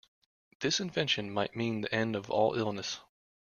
This invention might mean the end of all illness.